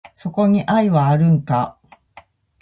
そこに愛はあるんか？